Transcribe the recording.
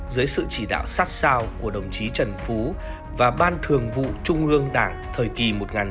dưới sự chỉ đạo sát sao của đồng chí trần phú và ban thường vụ trung ương đảng thời kỳ một nghìn chín trăm ba mươi một nghìn chín trăm chín mươi